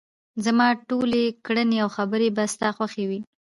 زما ټولې کړنې او خبرې به ستا خوښې وي.